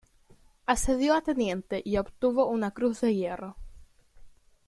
Ascendió a teniente y obtuvo una Cruz de Hierro.